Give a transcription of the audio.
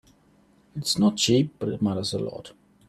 It's not cheap, but it matters a lot.